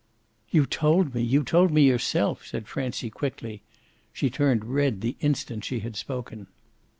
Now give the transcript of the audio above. "You told me, you told me yourself," said Francie quickly. She turned red the instant she had spoken.